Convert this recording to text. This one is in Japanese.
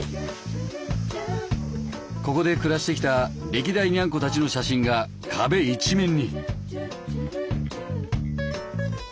ここで暮らしてきた歴代ニャンコたちの写真が壁一面に。